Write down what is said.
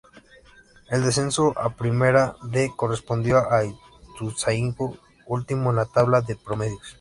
El descenso a Primera D correspondió a Ituzaingó, último en la tabla de promedios.